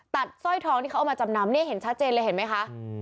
สร้อยทองที่เขาเอามาจำนำเนี่ยเห็นชัดเจนเลยเห็นไหมคะ